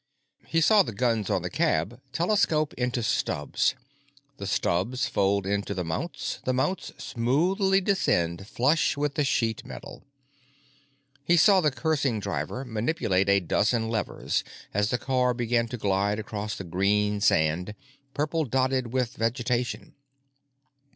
He saw the guns on the cab telescope into stubs, the stubs fold into the mounts, the mounts smoothly descend flush with the sheet metal. He saw the cursing driver manipulate a dozen levers as the car began to glide across the green sand, purple dotted with vegetation.